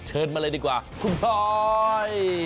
เชิญมาเลยดีกว่าคุณพลอย